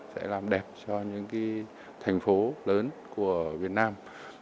sẽ làm đẹp cho những thành phố lớn của việt nam